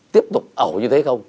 tiếp tục ẩu như thế không